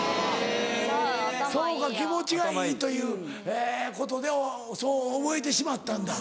あぁそうか気持ちがいいということでそう覚えてしまったんだ。